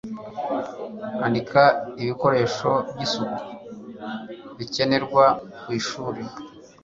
Andika ibikoresho by isuku bikenerwa ku ishuri